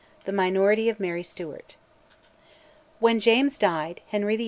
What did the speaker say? THE MINORITY OF MARY STUART. When James died, Henry VIII.